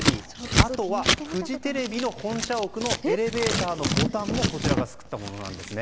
あとは、フジテレビの本社屋のエレベーターのボタンもこちらが作ったものなんですね。